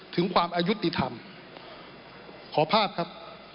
ถึงความอายุติธรรมขอภาพครับ